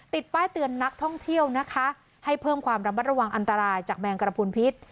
ติดป้ายเตือนนักท่องเที่ยวนะคะให้เพิ่มความระมัดระวังอันตรายจากแมงกระพุนพิษ